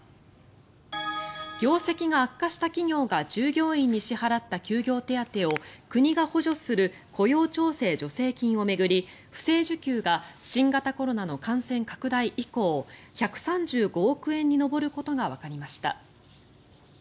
業績が悪化した企業が従業員に支払った休業手当を国が補助する雇用調整助成金を巡り不正受給が新型コロナの感染拡大以降１３５億円に上ることがわかりました。